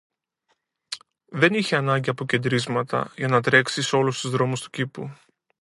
Δεν είχε ανάγκη από κεντρίσματα για να τρέξει σ' όλους τους δρόμους του κήπου.